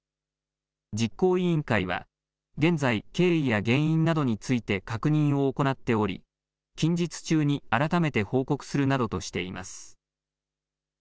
実行委員会は現在、経緯や原因などについて確認を行っており近日中に改めて報告するなどとしています。